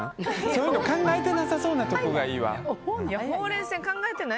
そういうの考えてなさそうなとこがいいわ。